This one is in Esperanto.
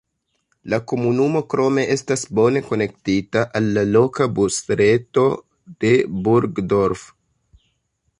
La komunumo krome estas bone konektita al la loka busreto de Burgdorf.